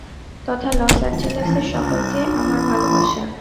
তথা লস এঞ্জেলেসের সকলকে আমার ভালবাসা।